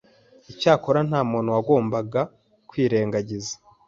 Icyakora nta muntu wagombaga kwirengagiza